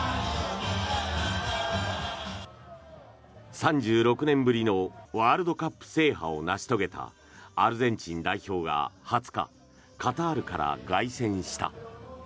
３６年ぶりのワールドカップ制覇を成し遂げたアルゼンチン代表が２０日カタールから凱旋した。